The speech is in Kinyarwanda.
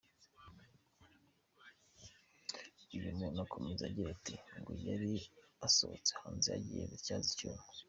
Uyu muntu akomeza agira ati “Ngo yari asohotse hanze agiye gutyaza icyuma.